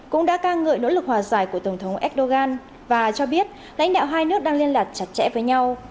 cũng đã ca ngợi nỗ lực hòa giải của tổng thống erdogan và cho biết lãnh đạo hai nước đang liên lạc chặt chẽ với nhau